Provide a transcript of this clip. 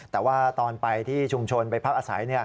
แต่ว่าตอนไปที่ชุมชนไปพักอาศัย